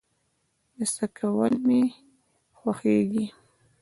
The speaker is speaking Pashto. د څه کول مې خوښيږي؟